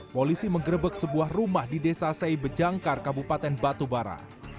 polisi menggerebek sebuah rumah di desa sei bejangkar kabupaten batubara